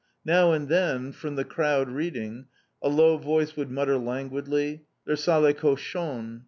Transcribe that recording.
Now and then, from the crowd reading, a low voice would mutter languidly "Les sales cochons!"